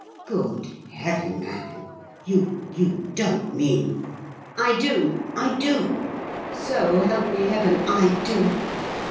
"Good heaven, man, you you don't mean ?" "I do I do! So help me heaven, I do.